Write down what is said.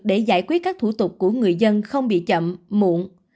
để giải quyết các thủ tục của người dân không bị chậm muộn